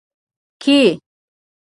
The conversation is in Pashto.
کې